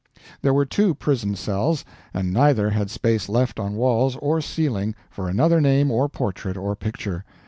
There were two prison cells, and neither had space left on walls or ceiling for another name or portrait or picture.